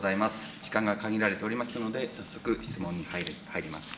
時間が限られておりますので、早速質問に入ります。